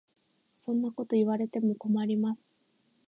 そんなこと言われても困ります。